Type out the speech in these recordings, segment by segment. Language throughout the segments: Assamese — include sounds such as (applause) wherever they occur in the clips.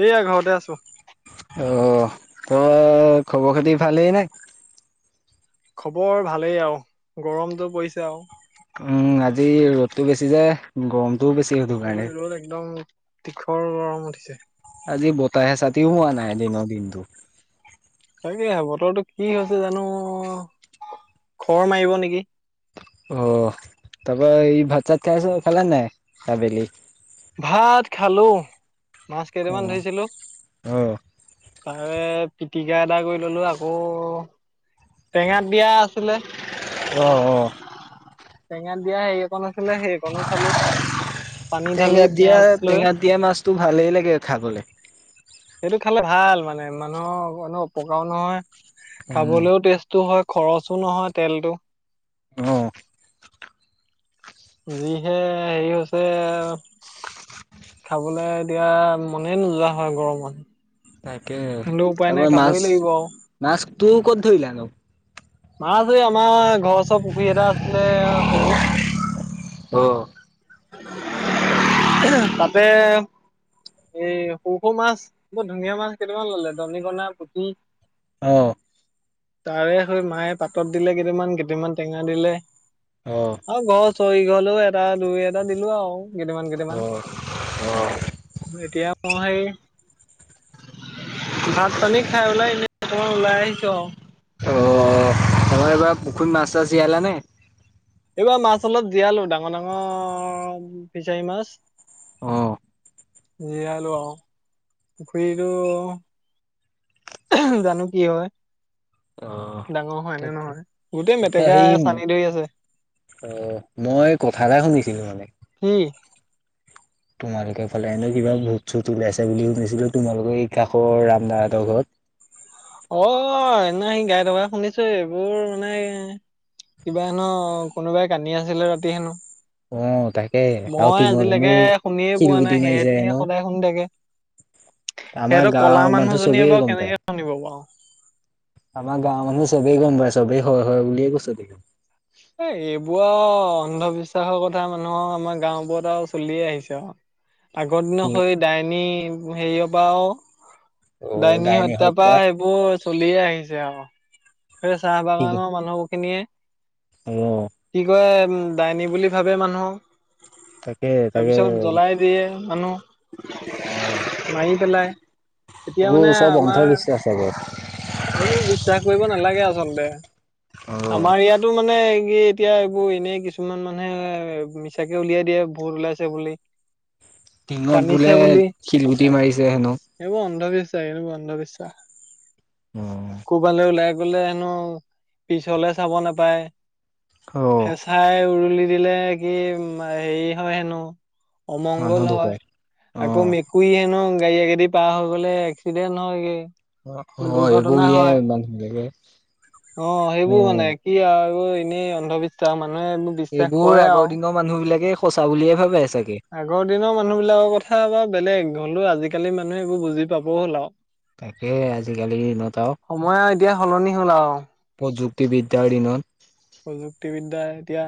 এয়া ঘৰতে আছো। অ', তই খবৰ খাতি ভালেই নে? খবৰ ভালেই আৰু গৰমটো পৰিছে আৰু। উম আজি ৰ'দতটো বেছি যে গৰম (unintelligible) আজি ৰ'দ একদম তীখৰ গৰম উঠিছে। আজি বতাহে চাতিও হোৱা নাই দিনৰ দিনতো। তাকে বতৰটো কি হৈছে জানো খৰ মাৰিব নেকি? অ', তাৰপৰা এই ভাত চাত খাই আছা খেলা নাই আবেলি? ভাত খালো মাছ কেইটামান অ', ধৰিছিলোঁ। অ', তাৰে পিটিকা এটা কৰি ললো আকৌ টেঙাত দিয়া আছিলে। অ', অ'। টেঙাত দিয়া হেৰিয়ত আছিলে সেইকণো খালো। পানী ঢালি টেঙাত দিয়া পিয়াজ লৈ টেঙাত দিয়া মাছতটো ভালেই লাগে খাবলৈ। সেইটো খালে ভাল মানে মানুহৰ অপকাৰও নহয় উম, খাবলৈও টেষ্ট। টো হয় খৰচো নহয় তেলতটো। অ'। যিহে হেৰি হৈছে খাবলে এতিয়া মনে নোযোৱা হয় গৰমত। তাকে তেন্তলে উপায় নাই খাবই লাগিব আৰু। (unintelligible) মাছতো কত ধৰিলা নো? মাছ, আমাৰ ঘৰৰ ওচৰৰ পুখুৰী এটা আছিলে সৰু। অ'। (inaudible) এ তাতে এ সৰু সৰু মাছ বৰ ধুনীয়া মাছ কেইটামান ললে দৰিকনা পুঠী। অ'। তাৰে স মায়ে পাতত দিলে কেইটামান কেইটামান টেঙা দিলে। অ'। আৰু ঘৰ চৰি গ'লেও এটা দুই এটা দিলোঁ আৰু কেইটামান কেট কেটামান। অ', অ', (unintelligible) এতিয়া মই ভাত পানী খাই ওলাই এনে অকমান ওলাই আহিছোঁ আৰু। তই এইবাৰ পুখুৰী মাছ চাছ জীয়ালা নে? এইবাৰ মাছ অলপ দিয়ালোঁ ডাঙৰ ডাঙৰ ফিচাৰী মাছ। অ', জীয়ালোঁ আৰু পুখুৰীটো এ, জানোঁ কি হয়। ডাঙৰ হয় নে নহয়। গোটেই তাপা মেটেকা এই। চানি ধৰি আছে অ', মই কথা এটা শুনিছিলোঁ মানে কি? তোমালোকে ফালে হেনো কিবা ভুত চুত ওলাইছে বুলি শুনিছিলোঁ তোমালোকৰ এই কাষৰ ৰামদাহঁতৰ ঘৰত। অ', সেইদিনা সি গাই থকা শুনিছোঁ। এইবোৰ মানে কিবা হেনো কোনোবাই কান্দি আছিলে ৰাতি হেনো। অ', তাকে আৰু মই টিঙত হেনো আজিলেকে শুনিয়ে পোৱা শিলগুটি নাই। মাৰিছে সেহেঁতিহে হেনো সদায় শুন থাকে। আমাৰ সেহেঁতৰ কলা গাঁৱৰ মানুহ মানুহজনীয়ে চবেই বাৰু গম পায়। কেনেকে (unintelligible) আমাৰ গাঁৱৰ মানুহ চবেই গম পায় চবেই হয় হয় বুলিয়ে কৈছে (unintelligible) এ, এইবোৰ আৰু অন্ধবিশ্বাসৰ কথা মানুহৰ আমাৰ গাঁওবোৰত আৰু চলিয়ে আহিছে আৰু আগৰ টিঙ দিনৰ সই ডাইনী (unintelligible) হেৰিয় পাওঁ ডাইনী হত্যা পা সেইবোৰ চলিয়ে আহিছে আৰু। সে চাহ ঠিক বাগানৰ মানুহ খিনিয়ে অ'। কি কয় উম ডাইনী বুলি ভাবে মানুহ। তাকে তাকে তাৰপিছত জ্বলাই দিয়ে মানুহ অ'। মাৰি পেলাই। এতিয়া সেইবো মানে চব অন্ধবিশ্বাস হ'ব। সেইবোৰ বিশ্বাস কৰিব নালাগে আচলতে। অ', আমাৰ ইয়াত টোঁ মানে এই কি এতিয়া এইবোৰ এনেই কিছুমান মানুহে এ, মিছাকে উলিয়াই দিয়ে ভুত ওলাইছে বুলি। (unintelligible) টিঙত কান্দিছে বোলে, বুলি শিলগুটি মাৰিছে হেনোঁ। এইবোৰ অন্ধবিশ্বাস এইবোৰ অন্ধবিশ্বাস। অ'। ক'বালৈ ওলাই গ'লে হেনো পিছলে চাব নেপায়। (unintelligible) চাই উৰুলি দিলে কি উম, হেৰি হয় হেনোঁ। মানুহ অমংগল হয়। ঢুকাই অ আকৌ মেুক কুই হেনোঁ গাড়ী আগেদি পাৰ হৈ গ'লে এক্সিডেন্ট হয় গে অ' অ' এইবোৰ দুৰ্ঘটনা উলিয়াই মানুহ বিলাকে অ', সেইবোৰ মানে কি আৰু এনেই অন্ধবিশ্বাস মানুহে এইবোৰ বিশ্বাস এইবোৰ কৰে আৰু। আগৰ দিনৰ মানুহ বিলাকে সঁচা বুলিয়ে ভাবে চাগে। আগৰ দিনৰ মানুহ বিলাকৰ কথা অলপ বেলেগ হ'লেও আজিকালি মানুহে এইবোৰ বুজি পাব হ'ল আৰু। তাকে আজিকালিৰ দিনত আৰু সময় আৰু এতিয়া সলনি হ'ল আৰু। প্ৰযুক্তিবিদ্যাৰ দিনত প্ৰযুক্তিবিদ্যা এতিয়া,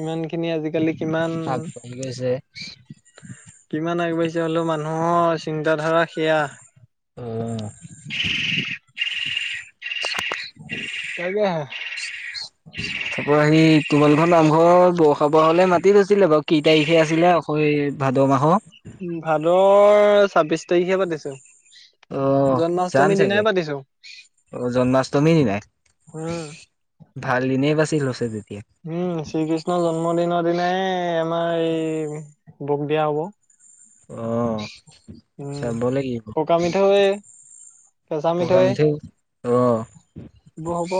ইমান খিনি আজিকালি ইমান আগবাঢ়ি গৈছে কিমান আগবাঢ়িছে হ'লেও মানুহৰ চিন্তাধাৰা সেয়া অ'। (unintelligible) (inaudible) তাৰপৰা সি তোমালোকৰ নামঘৰৰ বৰসবাহলে মাতি থৈছিলে বাৰু কি তাৰিখে আছিলে অস হয় ভাদ মাহ। উ ভাদৰ ছাব্বিশ তাৰিখে পাতিছো। অ যাম জন্মাষ্টমীৰ চাগে দিনাই পাতিছো। অ জন্মাষ্টমী দিনাই উম। ভাল দিনে বাছি লৈছা তেতিয়া। উম শ্ৰীকৃষ্ণৰ জন্মদিনৰ দিনাই আমাৰ এই বক দিয়া হ'ব। অ। উম, চাব লাগিব পকা মিঠা কেঁচা মিঠৈ প্ৰগ্ৰামটো অ এইবোৰ হব।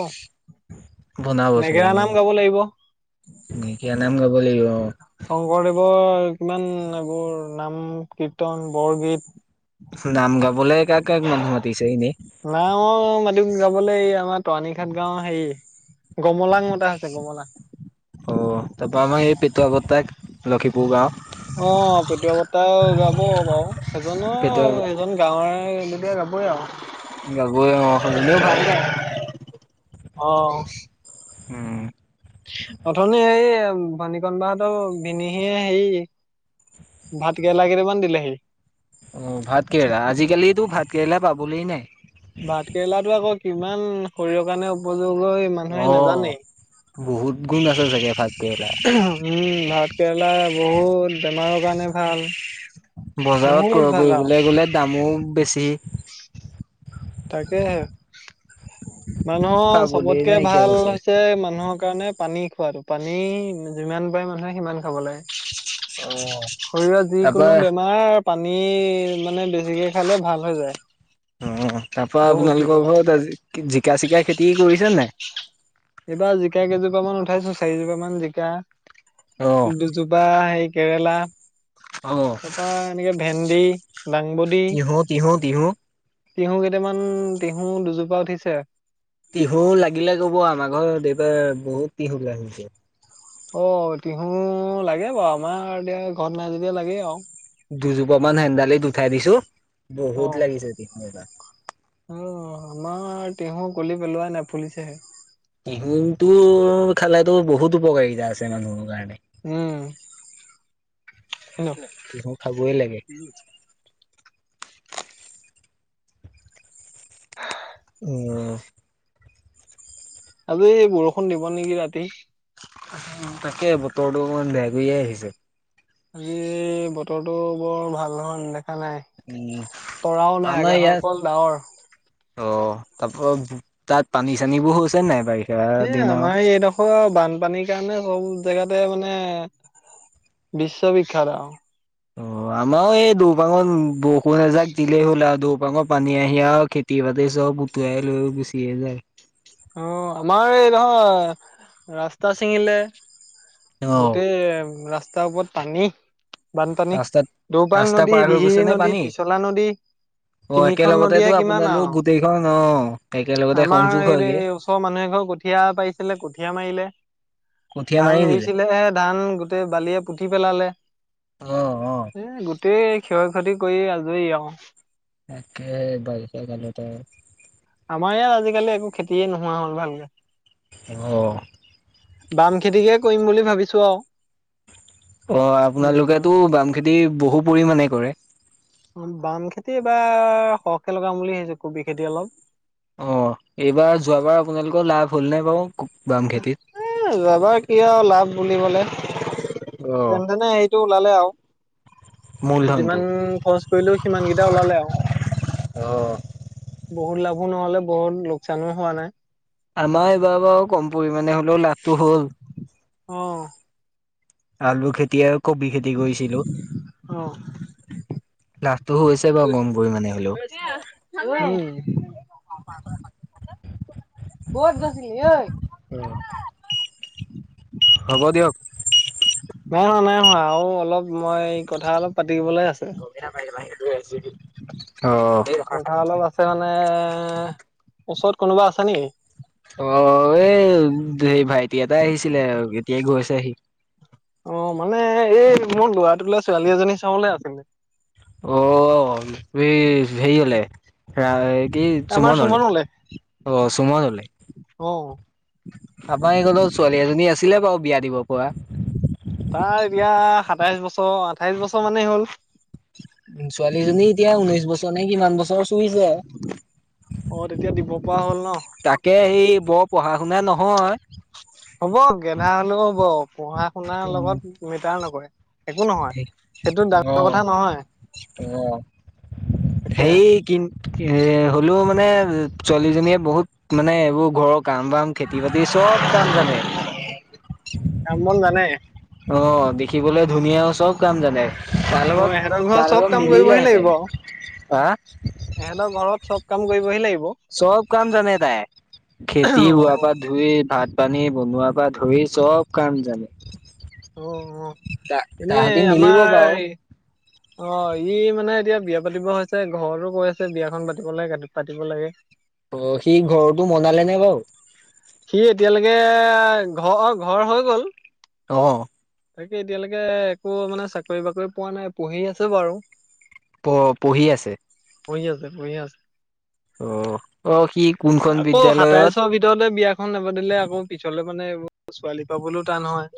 বনাব নেগেৰা নাম গাব লাগিব। নকীয়া নাম গাব লাগিব। শংকৰদেৱৰ কিমান এইবোৰ নাম, কীৰ্তন, বৰগীত। নাম গাবলে কাক কাক মানুহ মাতিছে এনেই? নাম গাবলৈ এই আমাৰ তৰাণীঘাট গাও হেৰি গমলাং মতা আছে গমলাং। অঁ তাৰপৰা আমাৰ এই পেটুৱাত্তাক লখিপুৰ গাঁও। অ' পেটু বতাহ গাব বাৰু সেইজনো পেটুৱা সেইজন গাঁৱে এ যাবই আৰু। গগৈয়ে অ সুজনিও ভাল গায়। অ'। উম। অথনি এই ভনিকণ বাহতৰ ভিনিহিয়ে হেৰি। ভাত কেৰেলা কেইটামান দিলেহি। অ ভাত কেৰেলা আজিকালিতো ভাত কেৰেলা পাবলে নাই। ভাত কেৰেলাটো আকৌ কিমান শৰীৰৰ কাৰণে উপযোগ হয় অ বহুত গুণ আছে চাগে ভাত কেৰেলাত। উম ভাত কেৰেলা বহুত বেমাৰৰ কাৰণে ভাল। বজাৰত বহুত ক্ৰয় ভাল আৰু কৰিবলৈ গ'লে দামো বেছি। তাকেহে, মানুহৰ পাবলে চবতকে নাইকিয়া ভাল হৈছে হৈছ মানুহৰ কাৰণে পানী খোৱাটো, পানী যিমান পাৰে মানুহে সিমান খাব লাগে। অ। শৰীৰৰ তাৰপা যিকোনো বেমাৰ পানী মানে বেছিকে খালে ভাল হৈ যায়। অ তাৰ পৰা বহুত আপোনালোকৰ বেমাৰ ঘৰত আজি জিকা-চিকা খেতি কৰিছে নাই। এইবাৰ জিকা কেইজোপা মান উঠাইছো চাৰিজোপা মান জিকা। অ দুজোপা সেই কেৰেলা। অ। তাৰপা এনেকে ভেন্দি, লাংবডী। তিহু তিহু তিহু তিহু কেইটামান তিহু দুজোপা উঠিছে। তিহু লাগিলে কব আমাৰ ঘৰত এইবাৰ বহুত তিহু গাজিছে। অ তিহু লাগে বাৰু আমাৰ এতিয়া ঘৰত নাই যেতিয়া লাগে আৰু। দুজোপা মান হেনন্ডালিত উঠাই দিছো বহুত অ লাগিছে অ আমাৰ তিহু গুলি পেলোৱাই নাই পুলিছেহে। তিহুটো খালেতো বহুত উপকাৰিতা আছে মানুহৰ কাৰণে। উম তিহু খাবই লাগে। (inaudible) (inaudible) (inaudible) ভাবলু এই বৰষুণ দিব নেকি ৰাতি। তাকে বতৰটো অকমান বেয়া কৈ আহিছে। আজি বতৰটো, বৰ ভাল ধৰণ দেখা নাই উম তৰাও নাই, আমাৰ আকাশত ইয়াত অকল ডাৱৰ অ', তাত পানী চানীবোৰ হৈছে নাই বাৰিত এ, আমাৰ এইডখ হয়, বানপানীৰ কাৰণে সব জেগাতে মানে বিশ্ববিখ্যাত আৰু অ', মাৰো এই দৌপাঙত বৰষুণ এজাক দিলেই হ'ল আৰু দৌপাঙৰ পানী আহি আৰু খেতি তিবাতে চব উতুৱাই লৈ গুচিয়ে যায় অ', আমাৰ এই নহয় ৰাস্তা ছিঙিলে অ গোটেই ৰাস্তাৰ ওপৰত পানী বানপানী ৰাস্তাত দৌবাং ৰাস্তা নদী, পাৰ হৈ দিহি গৈছে নে নদী, পানী? পিছলা নদী, অ ', তিনিখন একেলগতে নদীয়ে তো কিমান আপোনালোক আৰু গোটেইখন অ, একেলগতে আমাৰ সংযোগ হয় এই ওচৰৰ মানুহ এ ঘৰ কঠীয়া পাৰিছিলে, কঠীয়াা মাৰিলে কঠীয়া ধান মাৰি দিলে। ৰুইছিলে, ধান গোটেই বালিয়ে পুতি পেলালে অ অ গোটই ক্ষয় ক্ষতি কৰি আজৰি আৰু (unintelligible) আমাৰ ইয়াত আজিকালি একো খেতিয়ে নোহোৱা হ'ল ভালকে অ', বাম খেতিকে কৰিম বুলি ভাবিছো আৰু অ', দুজোপা পোনালোকেতটো বাম খেতি বহু পৰিমানে কৰে অ', বাম খেতি এইবাৰ সৰহকে লগাম বুলি ভাবিছো, কবি খেতি অলপ অ', এইবাৰ যোৱাবাৰ আপোনালোকৰ লাভ হ'লনে বাৰু বা এ যোবা কি আৰু লাভ বুলিবলে অ তেন্ত তেনে হেৰিটো ওলালে আৰু মূলধনটো যিমান খৰচ কৰিলো, সিমান কেইটা ওলালে আৰু অ', বহুত লাভো নহলে, বহুত লোকচানো হোৱা নাই আমাৰ এইবাৰ বাৰু, কম পৰিমাণে হলেও লাভটো হ'ল অ', আলু খেতি, আৰু কবি খেতি, কৰিছিলো অ', লাভটো হৈছে বাৰু, কম পৰিমানে হ'লেও। উম। ক'ত গৈছিলি ঐ? (inaudible) অ', হ'ব দিয়ক। নাই নোৱা, নাই হোৱা, আৰু অলপ মই কথা অলপ পাতিবলে আছে। (inaudible) অ। কথা অলপ আছে মানে, ওচৰত কোনোবা আছে নেকি? অ', এই সেই ভাইটি এটা আহিছিলে, এতিয়াই গৈছে সি। অ', মানে এই মোৰ লৰাতোলে ছোৱালী এজনী চাবলে আছিলে। অ', হেৰিঅলে। ৰা এই কি আমাৰ চুমনলে, অ চুমনলে। অহ। আমাৰ এইকনত ছোৱালী এজনী আছিলে বাৰু বিয়া দিব পৰা। তাৰ এতিয়া সাতাইশ বছৰ, আঠাইশ বছৰ, মানেই হ'ল। ছোৱালীজনী এতিয়া ঊনৈশ বছৰ নে কিমান বছৰ চুইছে। অ', তেতিয়া দিব পৰা হ'ল ন। তাকে, হেৰি বৰ পঢ়া শুনা নহয়। হ'ব গেধা হলেও হ'ব, পঢ়া শুনাৰ লগত মেটাৰ নকৰে। একো নহয়, সেইটো অ ডাঙৰ কথা নহয়। তাকে হেৰি কিন এই, হ'লেও মানে, ছোৱালীজনীয়ে বহুত মানে এইবোৰ ঘৰক কাম বাম খেতি বাতি চব কাম জানে। কাম বন জানে অ', দেখিবলৈ ধুনীয়াও চব কাম জানে। তাৰ লগত ত' এহেঁতৰ ঘৰত তাৰ চব লগত কাম কৰিবহি মিলিলেহেঁতেন। হা? এহঁতৰ ঘৰত চব কাম কৰিবহি লাগিব। চব কাম জানে তাই, খেতি ৰোৱা পা অ', ধুই, ভাত পানী বনোৱাৰ পৰা ধৰি, চব কাম জানে। অ', ত অ' তাহাঁতি এনেই মিলিব বাৰু আমাৰ অ', ই মানে এতিয়া বিয়া পাতিব হৈছে, ঘৰতো কৈ আছে বিয়াখন পাতিব লাগে কাতিত পাতিব লাগে। (inaudible) অ', সি ঘৰটো বনালে নে বাৰু? সি এতিয়ালৈকে ঘ অ' ঘৰ হৈ গ'ল। অ'। তাকে এতিয়ালৈকে একো মানে চাকৰি বাকৰি পোৱা নাই, পঢ়ি আছে বাৰু। প, পঢ়ি আছে। পঢ়ি আছে, পঢ়ি আছে। অ', অ' সি কোনখন বিদ্যালয়ত ততে বিয়াখন নপাতিলে আকৌ পিছলে মানে, এইবোৰ ছোৱালী পাবলৈও টান হয়।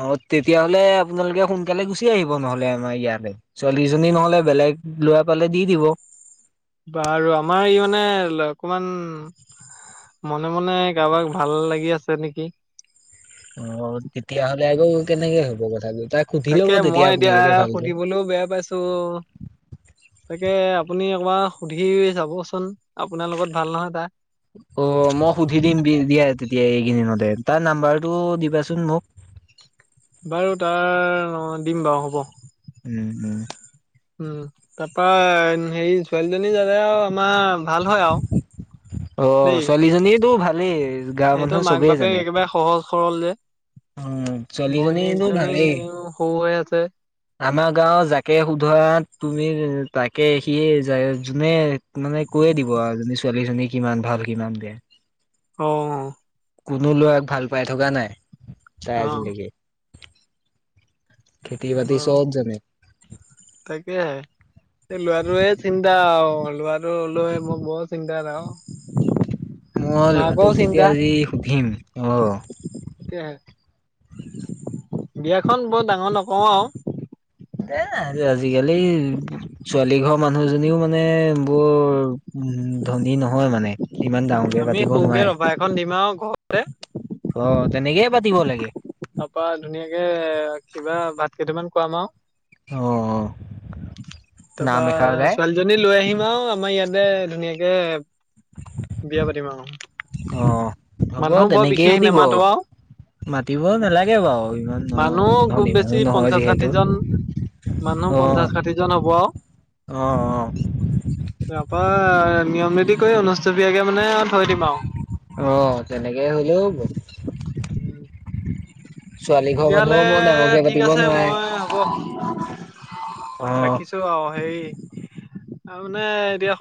অ', তেতিয়াহলে আপোনালোকে সোনকালে গুচি আহিব নহলে। আমাৰ ইয়ালে, ছোৱালীজনী নহলে বেলেগ লৰা পালে দি দিব। বাৰু, আমাৰ ই মানে অকমান মনে, মনে কাবাক ভাল লাগি আছে নেকি? অ'। তেতিয়াহ'লে আকৌ কেনেকে হ'ব কথাটো, তাক সুধি লব তাকে তেতিয়া মই এতিয়া আপোনালোকে ভালকে। সুধিবলৈও বেয়া পাইছো তাকে আপুনি অকমান সুধি চাবচোন, আপোনাৰ লগত ভাল নহয় তাৰ। অ', মই সুধি দিম দিয়া তেতিয়া এইকেইদিনতে, তাৰ নাম্বাৰটো দিবাচোন মোক। বাৰু তাৰ, দিম বাৰু হ'ব। উম, উম। উম, তাৰ পৰা হেৰি ছোৱালীজনী জানে আৰু আমাৰ ভাল হয় আৰু অ', দেই ছোৱালীজনীয়েতো ভালেই, গাৱৰ সিহঁতৰ মানুহ মাক চবেই বাপেক জানে। একেবাৰে সহজ সৰল যে, উম, ছোৱালীজনীতো ভনীয়েকজনী ভালেই। সৰু হৈ আছে। আমাৰ গাঁও যাকে শোধৰা তুমি তাকে সি যোনে মানে কৈয়ে দিব আৰুজনী ছোৱালীজনী কিমান ভাল কিমান বয়া। অ', অ'। কোনো ল'ৰাক ভাল পাই থকা নাই অ তাই আজিলৈকে। খেতি বাতি অ চব জানে। তাকেহে। এই লৰাটোৱে চিন্তা আৰু লৰাটো লৈ মোৰ বৰ চিন্তাত আৰু। (inaudible) মই মাকৰো ল'ৰাটোক তেতিয়া চিন্তা আজি সুধিম অ'। তাকেহে বিয়াখন বৰ ডাঙৰ নকওঁ আৰু। এ আজিকালি ছোৱালী ঘৰৰ মানুহজনীও মানে, বৰ উ ধনী নহয় মানে। ইমান উম ডাঙৰকে আমি পাতিব সৰুকে নোৱাৰে। ৰভা এখন দিম আৰু ঘৰত অ', তেনেকে পাতিব লাগে। তাৰপা ধুনীয়াকে কিবা ভাঁত কেইটামান খাম আৰু। অ নাম তপা এষাৰ গাই ছোৱালী জনী লৈ আহিম আৰু আমাৰ ইয়াতে ধুনীয়াকে বিয়া পাতিম আৰু অ মানুহ বৰ বিশেষ নেমাতো আৰু। মাতিবও নালাগে বাৰু ইমান মানুহ ন খুব ইমানো বেছি নহয় পঞ্চাশ ষাঠি জন মানুহ যিহেতু আহ, পঞ্চাশ ষাঠি আহ, আহ তাৰপৰা নিয়ম এটি কৰি অনুস্থবীয়াকে মানে থৈ দিম আৰু আহ, তেনেকেই হলেও ছোৱালী ঘৰ মানুহো তেতিয়াহ'লে বৰ ডাঙৰকে ঠিক পাতিব আছে নোৱাৰে মই হ'ব অ', - সেই, আৰু মানে এতিয়া